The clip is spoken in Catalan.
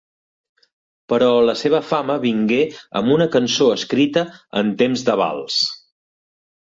Però la seva fama vingué amb una cançó escrita en temps de vals.